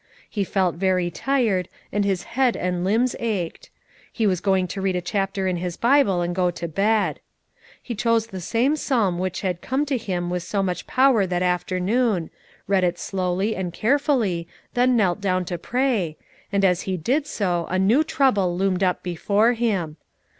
He felt very tired, and his head and limbs ached; he was going to read a chapter in his Bible and go to bed. He chose the same psalm which had come to him with so much power that afternoon, read it slowly and carefully, then knelt down to pray, and as he did so a new trouble loomed up before him.